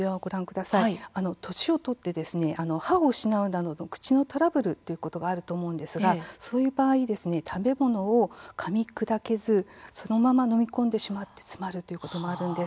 年を取って歯を失うなど口のトラブルがあると思うんですが、そういう場合に食べ物をかみ砕けず、そのまま飲み込んでしまって詰まるということがあります。